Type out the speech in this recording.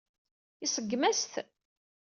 Iseggem-as-t.